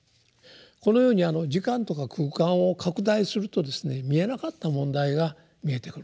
このように時間とか空間を拡大するとですね見えなかった問題が見えてくると。